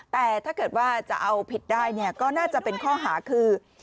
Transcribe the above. แต่ถ้าเกิดว่าจะเอาผิดได้เนี่ยก็น่าจะเป็นข้อหาคือ